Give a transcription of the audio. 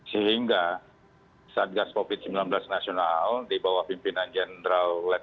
sehingga satgas covid sembilan belas nasional di bawah pimpinan jenderal